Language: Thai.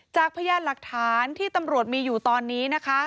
จากพยานหลักฐานที่ตำรวจมีอยู่ตอนนี้นะคะ